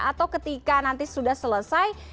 atau ketika nanti sudah selesai